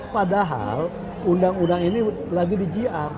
padahal undang undang ini lagi di gr